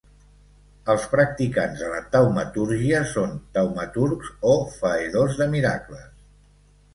Els practicants de la taumatúrgia són taumaturgs o faedors de miracles.